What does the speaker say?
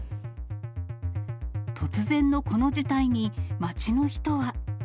突然のこの事態に、街の人は。